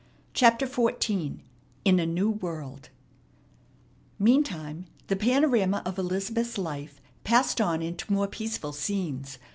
CHAPTER XIV IN A NEW WORLD Meantime the panorama of Elizabeth's life passed on into more peaceful scenes.